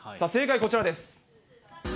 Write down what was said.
さあ、正解こちらです。